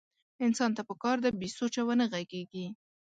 انسان ته پکار ده بې سوچه ونه غږېږي.